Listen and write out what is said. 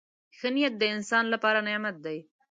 • ښه نیت د انسان لپاره نعمت دی.